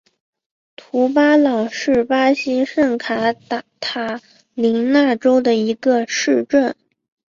图巴朗是巴西圣卡塔琳娜州的一个市镇。